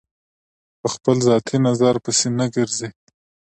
په خپل ذاتي نظر پسې نه ګرځي.